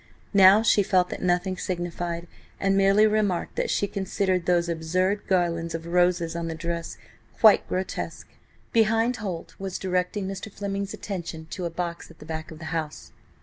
Now she felt that nothing signified, and merely remarked that she considered those absurd garlands of roses on the dress quite grotesque. Behind, Holt was directing Mr. Fleming's attention to a box at the back of the house.